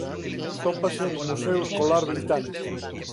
Atópase no Museo Escolar Británico.